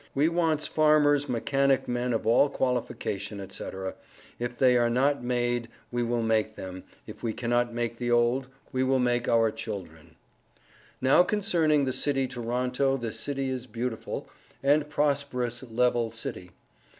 We wants farmers mechanic men of all qualification &c., if they are not made we will make them, if we cannot make the old, we will make our children. Now concerning the city toronto this city is Beautiful and Prosperous Levele city.